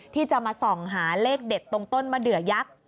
ที่จะมาส่องหาเลขเด็ดตรงต้นมะเดือยักษ์